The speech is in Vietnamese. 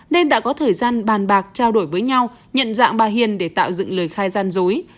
nên đã có thời gian bàn bạc trao đổi với nhau nhận dạng bà hiền để tạo dựng lời khai gian dối